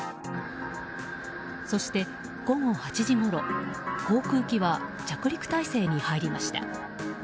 そして、午後８時ごろ航空機は着陸態勢に入りました。